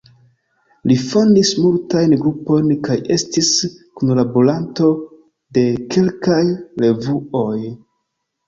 Li fondis multajn grupojn kaj estis kunlaboranto de kelkaj revuoj.